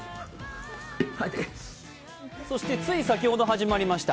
つい先ほど始まりました